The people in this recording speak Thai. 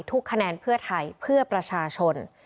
ทุกคะแนนเพื่อไทยเพื่อประชาชน